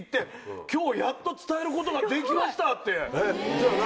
じゃあ何？